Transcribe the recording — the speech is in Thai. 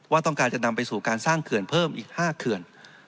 ต้องการจะนำไปสู่การสร้างเขื่อนเพิ่มอีก๕เขื่อน